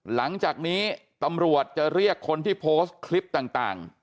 หลังจากนี้ตำรวจจะเรียกคนที่โพสต์คลิปต่าง